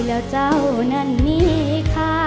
แล้วเจ้านั้นมีค่า